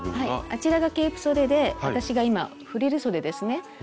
あちらがケープそでで私が今フリルそでですね。